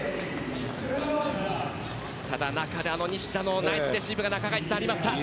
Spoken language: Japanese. ただ西田のナイスレシーブがありました。